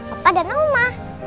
opa dan oma